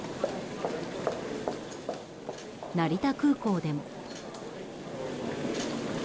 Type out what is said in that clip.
成田空港でも。